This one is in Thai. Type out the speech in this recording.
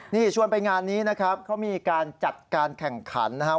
นี่ชวนไปงานนี้นะครับเขามีการจัดการแข่งขันนะครับ